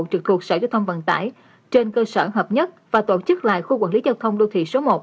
trực thuộc sở giao thông vận tải trên cơ sở hợp nhất và tổ chức lại khu quản lý giao thông đô thị số một